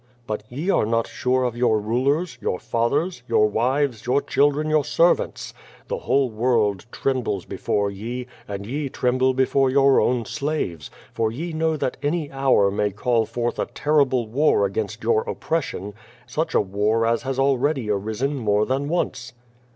But ye are not sure of your rulers, your fathers, your wives, your children, your ser>'ants. The whole world trembles be fore yc, and ye tremble before your own slaves, for ye know that any lionr may call forth a torrible war against 3'our op pression, such a war as has already arisen more than once.